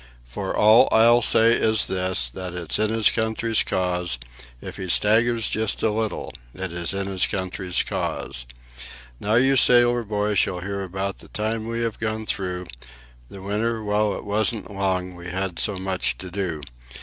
For all I'll say is this that it's in his country's cause; If he staggers just a little, it is in his country's cause. Now you sailor boys shall hear about the time we have gone through: The winter well, it wasn't long, we had so much to do.